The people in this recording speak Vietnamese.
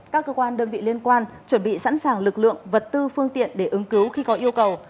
các cơ quan đơn vị liên quan chuẩn bị sẵn sàng lực lượng vật tư phương tiện để ứng cứu khi có yêu cầu